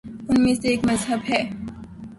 ان میں سے ایک مذہب ہے۔